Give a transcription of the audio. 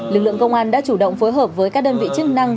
lực lượng công an đã chủ động phối hợp với các đơn vị chức năng